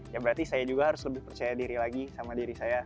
ya berarti saya juga harus lebih percaya diri lagi sama diri saya